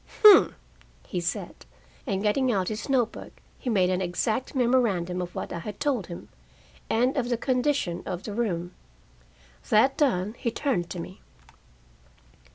"Humph!" he said, and getting out his note book, he made an exact memorandum of what I had told him, and of the condition of the room. That done, he turned to me.